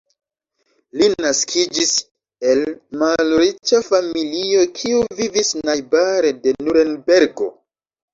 Li naskiĝis el malriĉa familio kiu vivis najbare de Nurenbergo.